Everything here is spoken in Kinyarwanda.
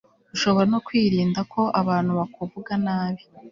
ushobora no kwirinda ko abantu bakuvuga nabi